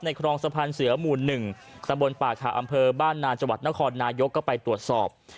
ในครองสะพานเสือหมุนหนึ่งสะบนป่าขาอำเภอบ้านนาจนครนายกก็ไปตรวจสอบ